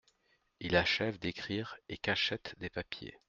Il achève d'écrire et cachette des papiers.